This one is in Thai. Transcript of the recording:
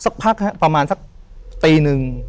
สักพักเป็นครับประมาณสักตีหนึ่ง